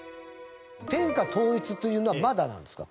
天下統一というのはまだなんですか？